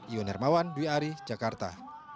ion hermawan dwi ari jakarta